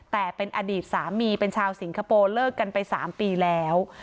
แต่เป็นอดีตสามีเป็นชาวสิงคโปร์เลิกกันไป๓ปีแล้ว